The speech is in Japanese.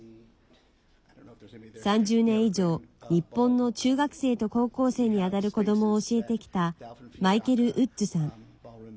３０年以上、日本の中学生と高校生にあたる子どもを教えてきたマイケル・ウッズさん。